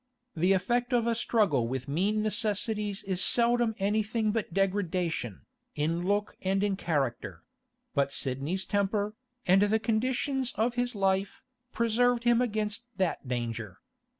The effect of a struggle with mean necessities is seldom anything but degradation, in look and in character; but Sidney's temper, and the conditions of his life, preserved him against that danger.